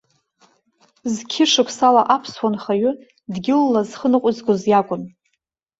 Зқьышықәсала аԥсуа нхаҩы, дгьылла зхы ныҟәызгоз иакәын.